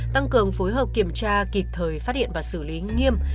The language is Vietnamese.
tăng cường phối hợp kiểm tra kịp thời phát hiện và xử lý nghiêm